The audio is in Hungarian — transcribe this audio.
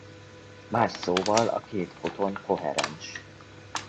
Más szóval a két foton koherens.